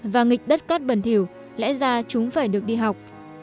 và nghịch đất cắt bẩn thỉu lẽ ra chúng phải được đi học